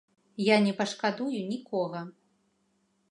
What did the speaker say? Я не пашкадую нікога!